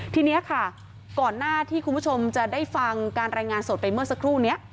ทีนี้ค่ะก่อนหน้าที่คุณผู้ชมจะได้ฟังการรายงานสดไปเมื่อสักครู่นี้